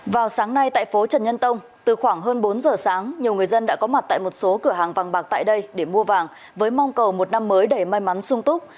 vào sáng nay tại phố trần nhân tông từ khoảng hơn bốn giờ sáng nhiều người dân đã có mặt tại một số cửa hàng vàng bạc tại đây để mua vàng với mong cầu một năm mới đầy may mắn sung túc